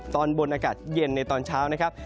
ตอนบนอากาศเย็นในตอนเช้า